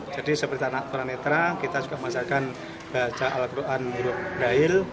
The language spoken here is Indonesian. jadi seperti tunanetra kita juga masyarakat baca al quran buruk dahil